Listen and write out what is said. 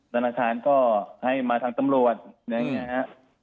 ธนาคารก็ให้มาทางตำรวจอย่างนี้ฮะ